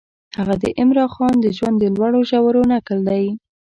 هغه د عمرا خان د ژوند د لوړو ژورو نکل دی.